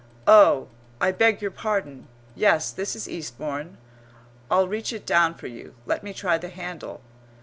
"Oh, I beg your pardon! Yes, this is Eastbourne. I'll reach it down for you. Let me try the handle."